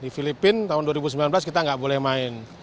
di filipina tahun dua ribu sembilan belas kita nggak boleh main